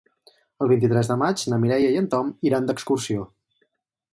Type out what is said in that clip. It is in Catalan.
El vint-i-tres de maig na Mireia i en Tom iran d'excursió.